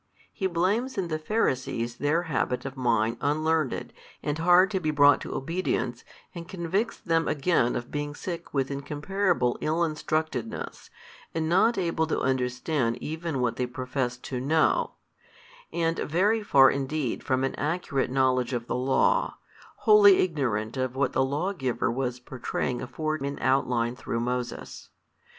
He blames in the Pharisees their habit of mind unlearned and hard to be brought to obedience and convicts them again of being sick with incomparable ill instructedness and not able to understand even what they professed to know, and very far indeed from an accurate knowledge of the law, wholly ignorant of what the Lawgiver was pourtraying afore in outline through Moses.